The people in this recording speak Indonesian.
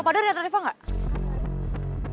lo pada lihat riva gak